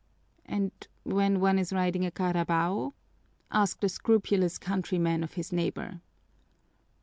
"And when one is riding a carabao?" asked a scrupulous countryman of his neighbor.